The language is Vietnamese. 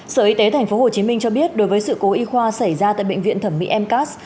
sở y tế tp hcm cho biết đối với sự cố y khoa xảy ra tại bệnh viện thẩm mỹ mcas